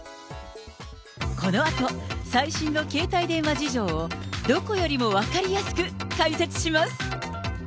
このあと、最新の携帯電話事情をどこよりも分かりやすく解説します。